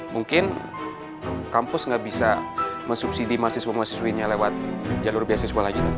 mungkin kampus nggak bisa mensubsidi mahasiswa mahasiswinya lewat jalur beasiswa lagi